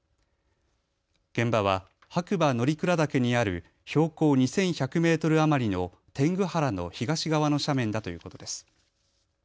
現場は白馬乗鞍岳にある標高２１００メートル余りの天狗原の東側の斜面だということです。